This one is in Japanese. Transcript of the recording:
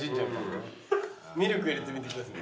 ミルク入れてみてください。